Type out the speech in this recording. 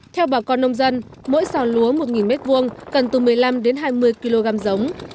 theo bà con nông dân mỗi xào lúa một m hai cần từ một mươi năm đến hai mươi kg giống